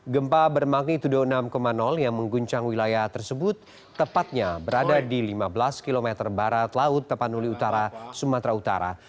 gempa bermagnitudo enam yang mengguncang wilayah tersebut tepatnya berada di lima belas km barat laut tapanuli utara sumatera utara